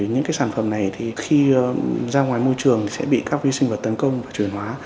những cái sản phẩm này thì khi ra ngoài môi trường sẽ bị các vi sinh vật tấn công và chuyển hóa